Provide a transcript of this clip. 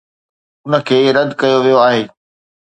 ان کي رد ڪيو ويو آهي.